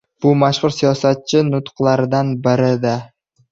Bu mashhur siyosatchi nutqlaridan birida: